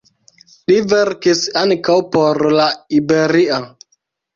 Li verkis ankaŭ por "La Iberia".